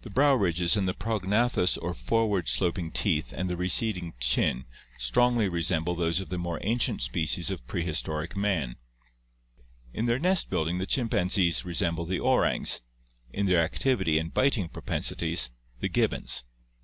The brow ridges and the prognathous or forward sloping teeth and receding chin strongly resemble those of the more ancient species of prehistoric man (see page 680). In their nest building the chimpanzees resemble the orangs, in their activity and biting propensities, the gibbons.